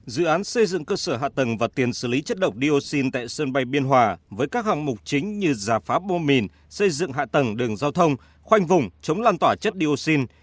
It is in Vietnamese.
dự án xây dựng cơ sở hạ tầng và tiền xử lý chất độc dioxin tại sân bay biên hòa với các hạng mục chính như giả phá bô mìn xây dựng hạ tầng đường giao thông khoanh vùng chống lan tỏa chất dioxin